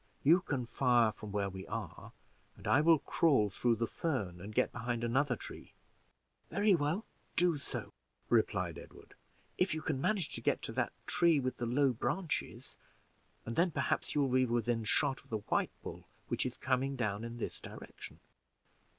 You can fire from where we are, and I will crawl through the fern, and get behind another tree." "Very well, do so," replied Edward: "if you can manage, get to that tree with the low branches, and then perhaps you will be within shot of the white bull, which is coming down in this direction.